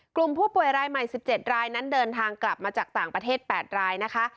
กลุ่มผู้ป่วยรายใหม่๑๗รายนั้นเดินทางกลับมาจากต่างประเทศ๘รายนะคะ